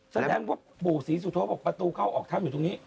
แสดงว่าปู่สีสุธธงศ์ขอบประตูก้าวออกท่ำอยู่ตรงนี้